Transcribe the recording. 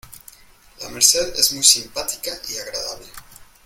La Merced es muy simpática y agradable.